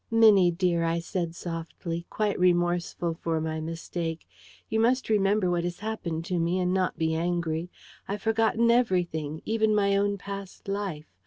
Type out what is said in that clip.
"Minnie dear," I said softly, quite remorseful for my mistake, "you must remember what has happened to me, and not be angry. I've forgotten everything, even my own past life.